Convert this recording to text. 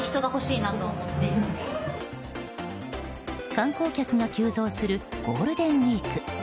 観光客が急増するゴールデンウィーク。